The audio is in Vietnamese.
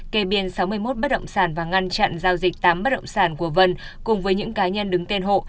kê biên sáu mươi một bất động sản và ngăn chặn giao dịch tám bất động sản của vân cùng với những cá nhân đứng tên hộ